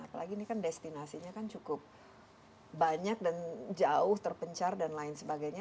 apalagi ini kan destinasinya kan cukup banyak dan jauh terpencar dan lain sebagainya